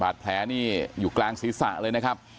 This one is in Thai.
แผลนี่อยู่กลางศีรษะเลยนะครับ